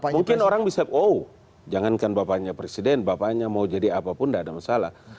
mungkin orang bisa oh jangankan bapaknya presiden bapaknya mau jadi apapun tidak ada masalah